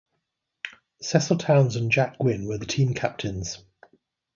Cecil Towns and Jack Gwin were the team captains.